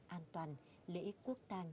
an toàn lễ quốc tàng